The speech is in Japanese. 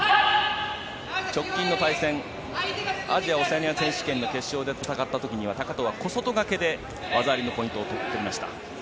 直近の対戦アジア・オセアニア選手権で戦った時には高藤は小外刈りで技ありのポイントをとりました。